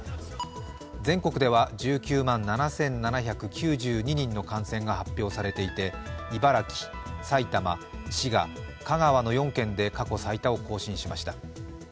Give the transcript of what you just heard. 全国では１９万７７９２人の感染が発表されていて、茨城、埼玉、滋賀、香川の４県で過去最多を更新しました。